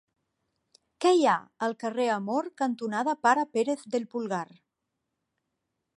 Què hi ha al carrer Amor cantonada Pare Pérez del Pulgar?